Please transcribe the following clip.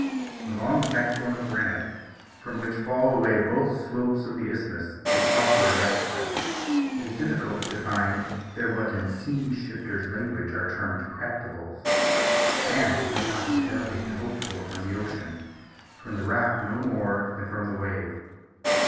The long backbone of granite, from which fall away both slopes of the isthmus, is awkward of access. It is difficult to find there what, in scene shifters' language, are termed practicables. Man has no hospitality to hope for from the ocean; from the rock no more than from the wave.